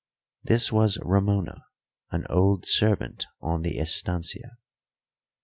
This was Ramona, an old servant on the estancia.